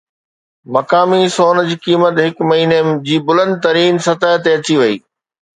مقامي سون جي قيمت هڪ مهيني جي بلند ترين سطح تي اچي وئي